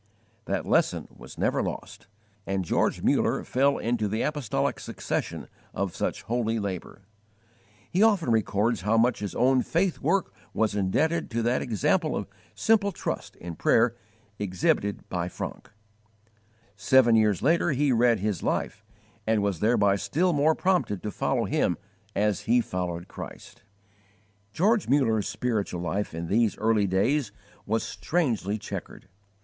That lesson was never lost, and George Muller fell into the apostolic succession of such holy labour! He often records how much his own faith work was indebted to that example of simple trust in prayer exhibited by Francke. Seven years later he read his life, and was thereby still more prompted to follow him as he followed Christ. George Muller's spiritual life in these early days was strangely chequered.